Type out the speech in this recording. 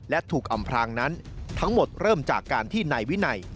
และถูกอำพลางนั้นทั้งหมดเริ่มจากการที่นายวินัย